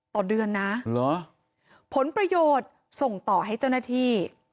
ต่อเดือนนะผลประโยชน์ส่งต่อให้เจ้าหน้าที่